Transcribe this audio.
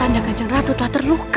tanda kanjeng ratu telah terluka